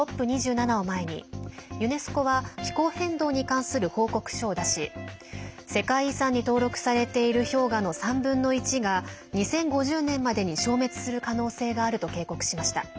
ＣＯＰ２７を前にユネスコは気候変動に関する報告書を出し世界遺産に登録されている氷河の３分の１が２０５０年までに消滅する可能性があると警告しました。